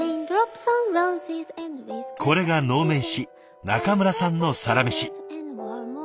これが能面師中村さんのサラメシ。